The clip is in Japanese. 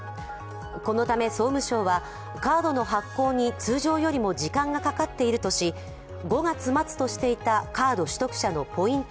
このため、総務省はカードの発行に通常よりも時間がかかっているとし５月末としていたカード取得者のポイント